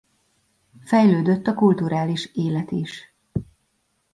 Fejlődött a kulturális élet is.